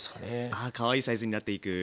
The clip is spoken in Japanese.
あかわいいサイズになっていく。